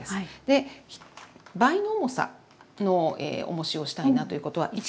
倍の重さのおもしをしたいなということは１ｋｇ１ｋｇ。